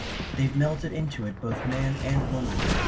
They've melted into it both man and woman.